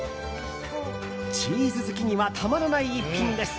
チーズ好きにはたまらない逸品です。